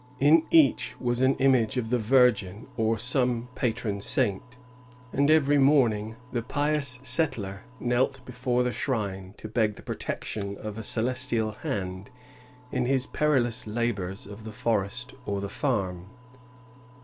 In each was an image of the Virgin or some patron saint; and every morning the pious settler knelt before the shrine to beg the protection of a celestial hand in his perilous labors of the forest or the farm.